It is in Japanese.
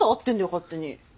勝手に。